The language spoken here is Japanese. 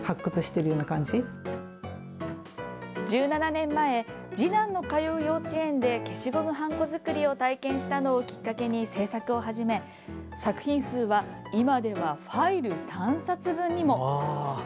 １７年前次男の通う幼稚園で消しゴムはんこ作りを体験したのをきっかけに制作を始め作品数は今ではファイル３冊分にも。